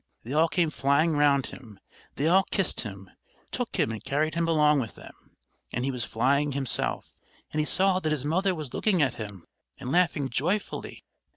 They all came flying round him, they all kissed him, took him and carried him along with them, and he was flying himself, and he saw that his mother was looking at him and laughing joyfully.